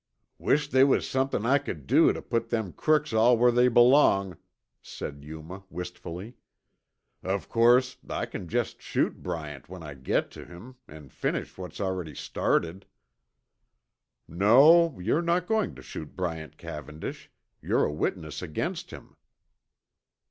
"Wish't they was somethin' I could do tuh put them crooks all where they belong," said Yuma wistfully. "Of course I c'n jest shoot Bryant when I git tuh him, an' finish what's already started." "No, you're not going to shoot Bryant Cavendish; you're a witness against him."